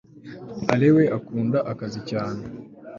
Alain we akunda akazi cyane